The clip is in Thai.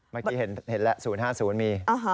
เมื่อกี้เห็นแล้ว๐๕๐มี